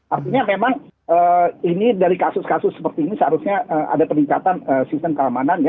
artinya memang ini dari kasus kasus seperti ini seharusnya ada peningkatan sistem keamanan ya